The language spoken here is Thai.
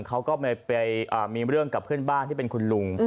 เขาก็ไปมีเรื่องกับเพื่อนบ้านที่เป็นคุณลุง